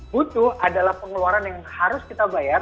butuh adalah pengeluaran yang harus kita bayar